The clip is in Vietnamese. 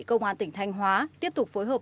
công an tỉnh thanh hóa tiếp tục phối hợp